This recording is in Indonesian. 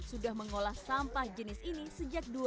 sudah mengolah sampah jenis ini sejak dua ribu